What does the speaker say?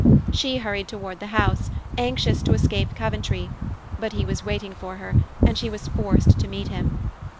She hurried toward the house, anxious to escape Coventry; but he was waiting for her, and she was forced to meet him.